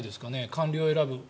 官僚を選ぶ。